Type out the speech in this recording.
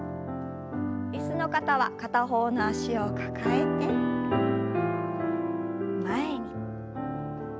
椅子の方は片方の脚を抱えて前に。